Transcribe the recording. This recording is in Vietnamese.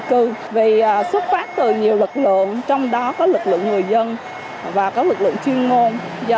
cư vì xuất phát từ nhiều lực lượng trong đó có lực lượng người dân và các lực lượng chuyên môn do